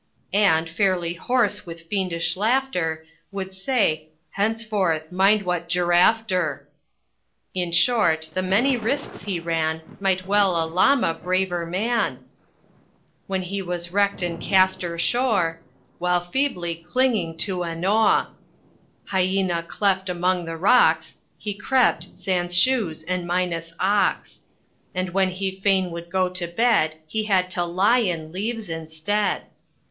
And, fairly horse with fiendish laughter, Would say, "Henceforth, mind what giraffe ter!" In short, the many risks he ran Might well a llama braver man; Then he was wrecked and castor shore While feebly clinging to anoa; Hyena cleft among the rocks He crept, sans shoes and minus ox. And when he fain would go to bed, He had to lion leaves instead.